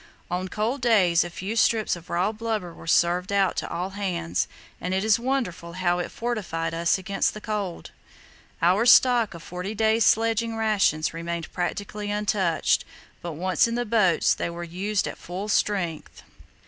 On cold days a few strips of raw blubber were served out to all hands, and it is wonderful how it fortified us against the cold. Our stock of forty days' sledging rations remained practically untouched, but once in the boats they were used at full strength.